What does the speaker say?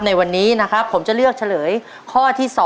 ในวันนี้นะครับผมจะเลือกเฉลยข้อที่๒